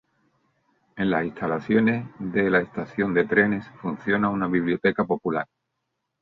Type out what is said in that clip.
En las instalaciones de la Estación de trenes funciona una biblioteca popular.